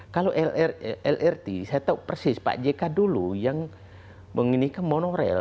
kalau lrt saya tahu persis pak jk dulu yang menginikan monorail